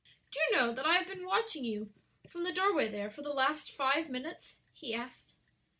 "Do you know that I have been watching you from the doorway there for the last five minutes?" he asked.